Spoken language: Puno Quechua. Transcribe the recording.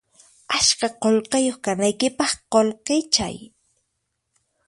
Askha qullqiyuq kanaykipaq qullqichay